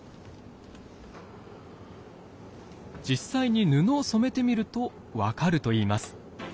実際に布を染めてみると分かるといいます。